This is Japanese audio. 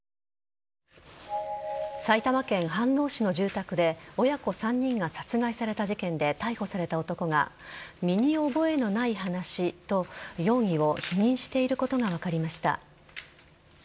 埼玉県飯能市の住宅で親子３人が殺害された事件で逮捕された男が身に覚えのない話と容疑を否認していることが分かりました。